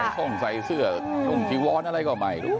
คุมใส่เสื้อคุมทีว้อนอะไรก็ไม่